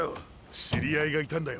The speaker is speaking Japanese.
知りあいがいたんだよ